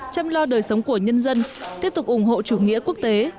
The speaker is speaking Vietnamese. chăm lo đời sống của nhân dân tiếp tục ủng hộ chủ nghĩa quốc tế